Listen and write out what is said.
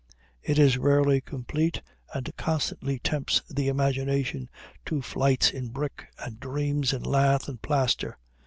It is rarely complete, and constantly tempts the imagination to flights in brick and dreams in lath and plaster.